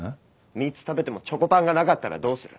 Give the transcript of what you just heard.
３つ食べてもチョコパンがなかったらどうする？